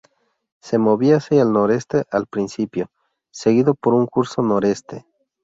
Se movía hacia el noroeste al principio, seguido por un curso noroeste.